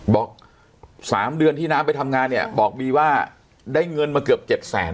บอก๓เดือนที่น้ำไปทำงานเนี่ยบอกบีว่าได้เงินมาเกือบ๗แสน